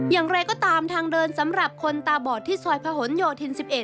อย่างไรก็ตามทางเดินสำหรับคนตาบอดที่ซอยพะหนโยธิน๑๑